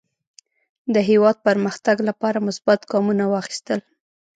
د هېواد پرمختګ لپاره مثبت ګامونه واخیستل.